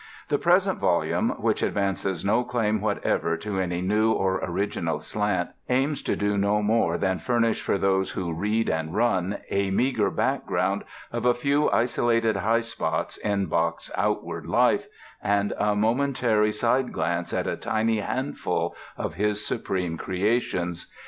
The present volume, which advances no claim whatever to any new or original slant, aims to do no more than furnish for those who read and run a meager background of a few isolated highspots in Bach's outward life and a momentary sideglance at a tiny handful of his supreme creations.